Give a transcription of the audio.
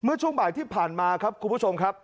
ช่วงบ่ายที่ผ่านมาครับคุณผู้ชมครับ